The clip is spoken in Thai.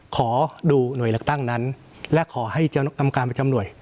ขอดูหน่วยเลือกตั้งนั้นและขอให้เจ้ากรรมการประจำหน่วย